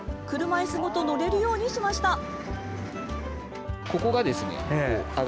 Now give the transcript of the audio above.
車いすごと乗れるようにしました。